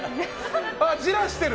じらしてる。